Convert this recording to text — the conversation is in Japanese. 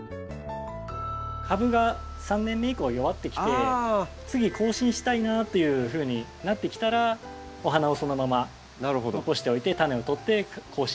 株が３年目以降は弱ってきて次更新したいなというふうになってきたらお花をそのまま残しておいてタネをとって更新して下さい。